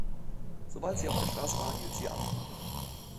Sobald sie auf der Straße war, hielt sie an.